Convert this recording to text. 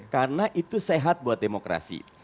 karena itu sehat buat demokrasi